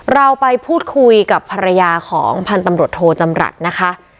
เราไปพูดคุยกับภรรยาของพันธุ์ตำรวจโทจำรัฐนะคะ